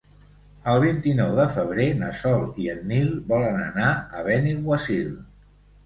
El vint-i-nou de febrer na Sol i en Nil volen anar a Benaguasil.